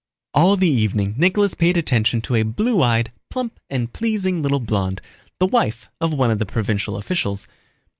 All the evening Nicholas paid attention to a blue eyed, plump and pleasing little blonde, the wife of one of the provincial officials.